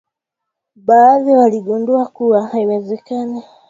baadhi waligundua kuwa haiwezekani